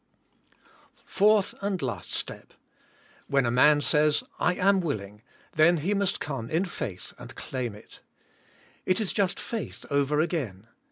4th and last step. When a man says "I am will ing" then he must come in faith and claim it. It is just faith over again.